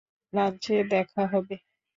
লাঞ্চে দেখা হবে।